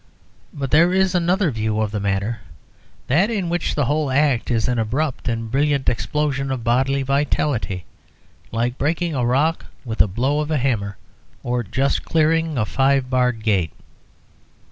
But there is another view of the matter that in which the whole act is an abrupt and brilliant explosion of bodily vitality, like breaking a rock with a blow of a hammer, or just clearing a five barred gate.